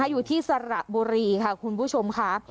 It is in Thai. อยู่ที่สระบุรีค่ะคุณผู้ชมค่ะ